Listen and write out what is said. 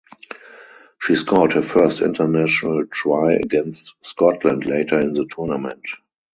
She scored her first international try against Scotland later in the tournament.